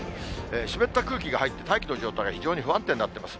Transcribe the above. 湿った空気が入って大気の状態が非常に不安定になっています。